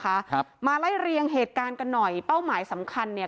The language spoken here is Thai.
ครับมาไล่เรียงเหตุการณ์กันหน่อยเป้าหมายสำคัญเนี่ย